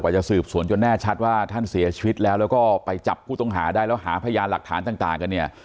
จะสืบสวนจนแน่ชัดว่าท่านเสียชีวิตแล้วแล้วก็ไปจับผู้ต้องหาได้แล้วหาพยานหลักฐานต่างกันเนี่ย